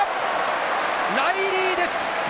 ライリーです。